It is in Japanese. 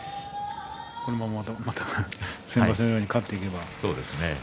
このまま先場所のように勝っていけば。